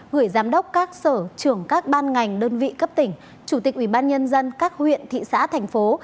gửi giám đốc các sở trưởng các ban ngành đơn vị cấp tỉnh chủ tịch ubnd các huyện thị xã thành phố